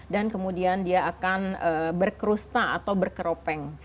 dan kemudian dia akan berkerusta atau berkeropeng